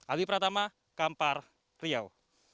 alipratama kampar riau